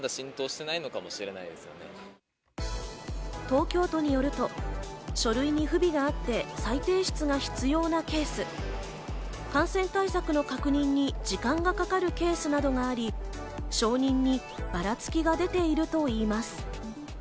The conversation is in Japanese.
東京都によると、書類に不備があって再提出が必要なケース、感染対策の確認に時間がかかるケースなどがあり、承認にばらつきが出ているといいます。